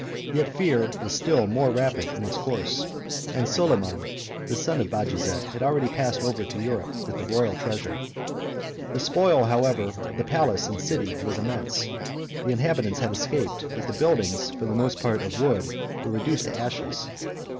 Yet fear is still more rapid in its course; and Soliman, the son of Bajazet, had already passed over to Europe with the royal treasure. The spoil, however, of the palace and city was immense: the inhabitants had escaped; but the buildings, for the most part of wood, were reduced to ashes.